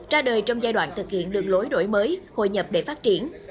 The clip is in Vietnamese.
ra đời trong giai đoạn thực hiện đường lối đổi mới hội nhập để phát triển